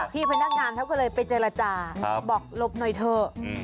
พี่พนักงานเขาก็เลยไปเจรจาบอกหลบหน่อยเถอะ